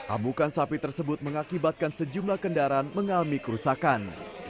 amukan sapi tersebut mengakibatkan sejumlah kendaraan mengalami kerusakan